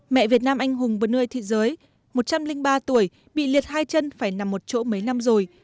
mẹ việt nam anh hùng vừa nơi thế giới một trăm linh ba tuổi bị liệt hai chân phải nằm một chỗ mấy năm rồi